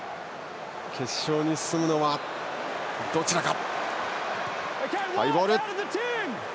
決勝に進むのは、どちらか。